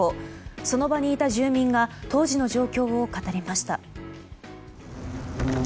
その場にいた住民が当時の状況を語りました。